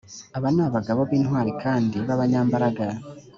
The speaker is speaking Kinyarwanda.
aba ni abagabo b’intwari kandi b’abanyambaraga